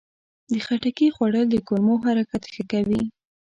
د خټکي خوړل د کولمو حرکت ښه کوي.